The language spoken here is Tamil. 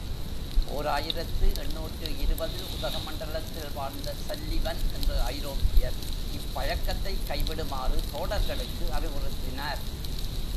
ஓர் ஆயிரத்து எண்ணூற்று இருபது இல் உதகமண்டலத்தில் வாழ்ந்த சல்லிவன் என்ற ஐரோப்பியர் இப்பழக்கத்தை கைவிடுமாறு தோடர்களுக்கு அறிவுறுத்தினார்.